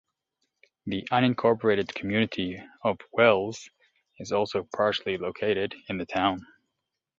The unincorporated community of Wells is also partially located in the town.